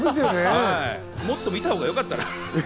もっと見たほうがよかったかな。